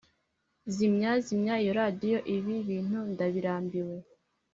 zimya, zimya iyo radio, ibi bintu ndabirambiwe